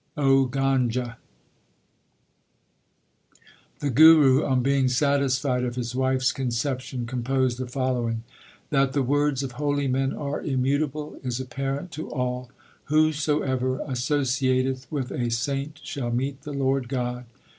The Guru on being satisfied of his wife s concep tion composed the following : That the words of holy men are immutable is apparent to all. Whoever associateth with a saint shall meet the Lord God.